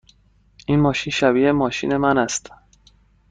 این ماشین شبیه ماشین من است.